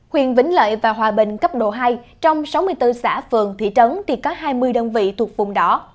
huyện vĩnh lợi và hòa bình cấp độ hai trong sáu mươi bốn xã phường thị trấn thì có hai mươi đơn vị thuộc vùng đỏ